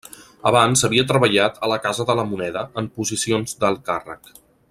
Abans havia treballat a la Casa de la Moneda en posicions d'alt càrrec.